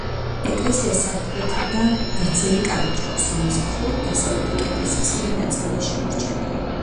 ეკლესიას სამხრეთიდან გრძელი კარიბჭე აქვს, რომლის მხოლოდ დასავლეთი კედლის მცირე ნაწილია შემორჩენილი.